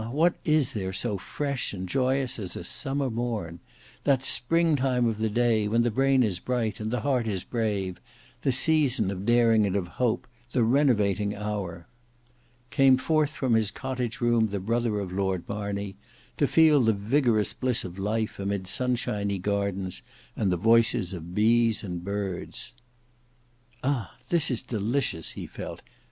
what is there so fresh and joyous as a summer morn! That spring time of the day, when the brain is bright, and the heart is brave; the season of daring and of hope; the renovating hour! Came forth from his cottage room the brother of Lord Marney, to feel the vigorous bliss of life amid sunshiny gardens and the voices of bees and birds. "Ah! this is delicious!" he felt.